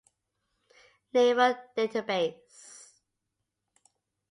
Naval Database.